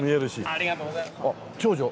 ありがとうございます。